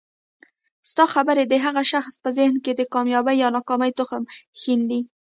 ستا خبري د هغه شخص په ذهن کي د کامیابۍ یا ناکامۍ تخم ښیندي